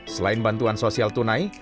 selain bantuan sosial tunai